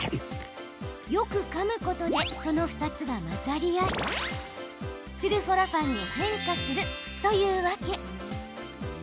よくかむことでその２つが混ざり合いスルフォラファンに変化するというわけ。